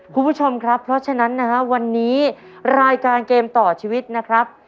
คุณผู้ชมครับเพราะฉะนั้นนะฮะวันนี้รายการเกมต่อชีวิตนะครับ